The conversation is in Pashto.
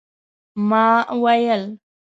ما ویل